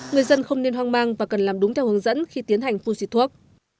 người dân không nên hoang mang và cần làm đúng theo hướng dẫn khi tiến hành phun xịt thuốc